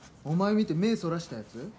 お前見て目そらしたやつ？